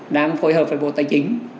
đang phối hợp với bộ tài chính